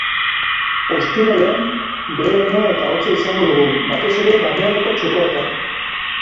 Ostiralean, behe-lainoa eta hotza izango dugu, batez ere barnealdeko txokoetan.